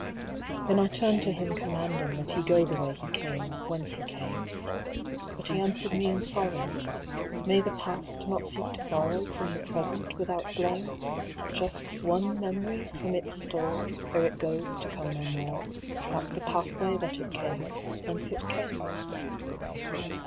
Then I turned to him commanding That he go the way he came, whence he came. But he answered me in sorrow, "May the Past not seek to borrow From the Present without blame Just one memory from its store, Ere it goes to come no more, Back the pathway that it came, whence it came?"